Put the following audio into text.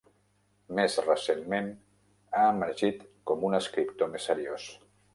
Més recentment ha emergit com un escriptor més seriós.